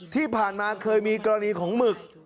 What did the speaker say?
ที่ผ่านมาเคยมีกรณีของหมึก